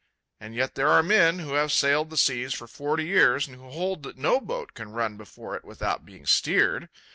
And yet there are men who have sailed the seas for forty years and who hold that no boat can run before it without being steered.